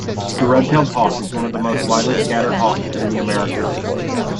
The red-tailed hawk is one of the most widely scattered hawks in the Americas.